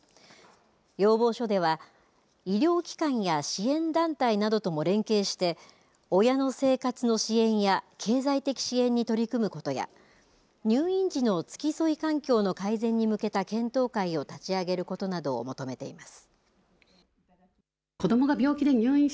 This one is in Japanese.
要望書では医療機関や支援団体などとも連携して親の生活の支援や経済的支援に取り組むことや入院時の付き添い環境の改善に向けた検討会を立ち上げることなどを求めています。